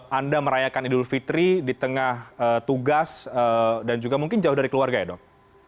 anda merayakan idul fitri di tengah tugas dan juga mungkin jauh dari keluarga ya dok